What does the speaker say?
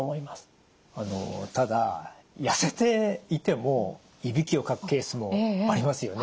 あのただ痩せていてもいびきをかくケースもありますよね。